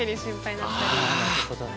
なるほどね。